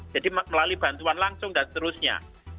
jadi melalui bantuan langsung dan seterusnya